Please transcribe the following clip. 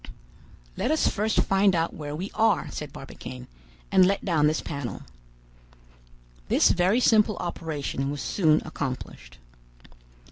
"Let us first find out where we are," said Barbicane, "and let down this panel." This very simple operation was soon accomplished.